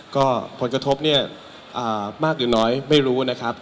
ก็ผลกระทบเนี่ยมากหรือน้อยไม่รู้นะครับ